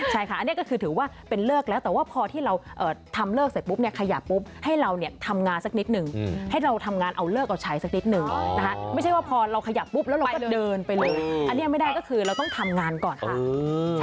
ใช่ค่ะอันนี้ก็คือถือว่าเป็นเลิกแล้วแต่ว่าพอที่เราทำเลิกเสร็จปุ๊บเนี่ยขยับปุ๊บให้เราเนี่ยทำงานสักนิดนึงให้เราทำงานเอาเลิกเอาใช้สักนิดนึงนะคะไม่ใช่ว่าพอเราขยับปุ๊บแล้วเราก็เดินไปเลยอันนี้ไม่ได้ก็คือเราต้องทำงานก่อนค่ะ